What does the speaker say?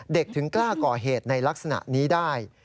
ถึงกล้าก่อเหตุในลักษณะนี้ได้